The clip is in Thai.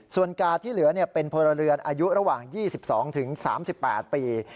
ส่วนกาดที่เหลือเป็นพลเรือนอายุระหว่าง๒๒๓๘ปี